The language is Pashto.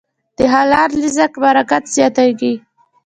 د حلال رزق برکت زیاتېږي.